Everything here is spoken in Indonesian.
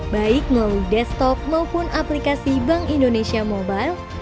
baik melalui desktop maupun aplikasi bank indonesia mobile